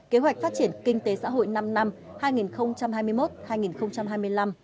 kế hoạch phát triển kinh tế xã hội năm năm